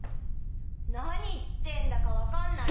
なに言ってんだかわかんない。